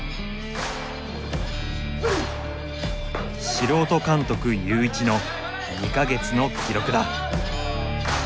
素人監督ユーイチの２か月の記録だ。